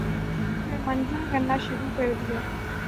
کر منظم کرنا شروع کر دیا ہے۔